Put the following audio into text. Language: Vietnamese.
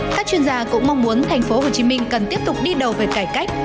các chuyên gia cũng mong muốn thành phố hồ chí minh cần tiếp tục đi đầu về cải cách